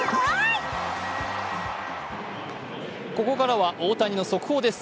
ここからは大谷の速報です。